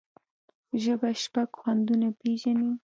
ژبه شپږ خوندونه پېژني.